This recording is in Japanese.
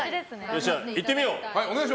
じゃあ、いってみよう。